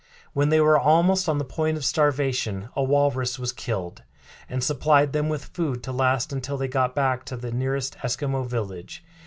When they were almost on the point of starvation a walrus was killed, and supplied them with food to last until they got back to the nearest Eskimo village.